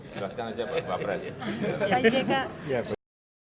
silahkan aja pak pres